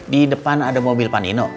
di depan ada mobil panino